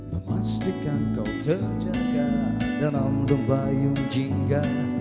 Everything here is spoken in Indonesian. memastikan kau terjaga dalam rumpa yang jingga